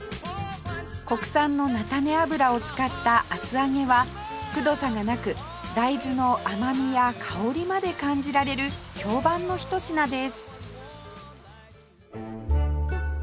国産の菜種油を使った厚揚げはくどさがなく大豆の甘みや香りまで感じられる評判のひと品です